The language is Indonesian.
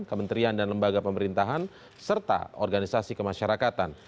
kementerian dan lembaga pemerintahan serta organisasi kemasyarakatan